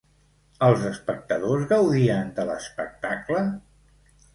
Els espectadors gaudien de l'espectacle?